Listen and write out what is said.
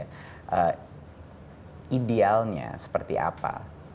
nah idealnya seperti apa